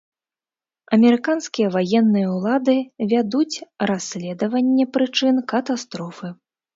Амерыканскія ваенныя ўлады вядуць расследаванне прычын катастрофы.